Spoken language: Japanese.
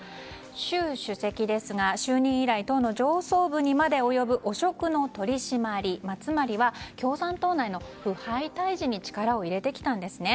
習主席ですが就任以来党の上層部にまで及ぶ汚職の取り締まりつまりは共産党内の腐敗退治に力を入れてきたんですね。